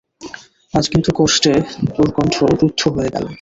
আজ কিন্তু কষ্টে ওর কণ্ঠ রুদ্ধ হয়ে এল।